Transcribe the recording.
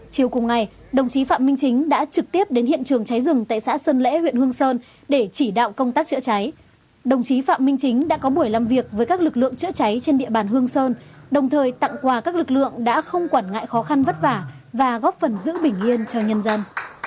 chiều cùng ngày đồng chí phạm minh chính đã trực tiếp đến hiện trường cháy rừng tại xã sơn lễ huyện hương sơn để chỉ đạo công tác chữa cháy đồng chí phạm minh chính đã có buổi làm việc với các lực lượng chữa cháy trên địa bàn hương sơn đồng thời tặng quà các lực lượng đã không quản ngại khó khăn vất vả và góp phần giữ bình yên cho nhân dân